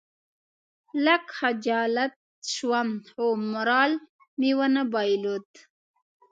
لږ خجالت شوم خو مورال مې ونه بایلود.